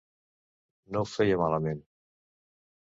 No ho feia malament.